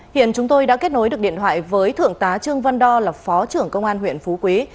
hiện chúng tôi đã kết nối được điện thoại với thượng tá trương văn đo là phó trưởng công an huyện phú quý